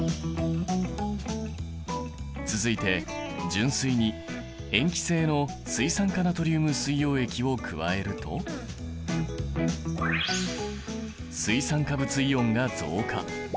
続いて純水に塩基性の水酸化ナトリウム水溶液を加えると水酸化物イオンが増加。